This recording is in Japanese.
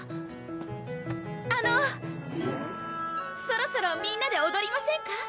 そろそろみんなでおどりませんか？